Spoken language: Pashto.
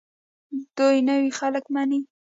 دوی نوي خلک مني.